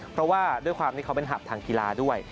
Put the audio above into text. เพราะว่าด้วยความที่เขาเป็นหับทางกีฬาด้วย